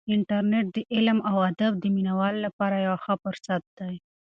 انټرنیټ د علم او ادب د مینه والو لپاره یو ښه فرصت دی.